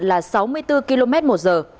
là sáu mươi bốn km một giờ